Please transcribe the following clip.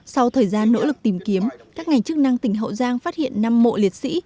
sau thời gian nỗ lực tìm kiếm các ngành chức năng tỉnh hậu giang phát hiện năm mộ liệt sĩ